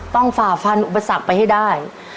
ฝ่าฟันอุปสรรคไปให้ได้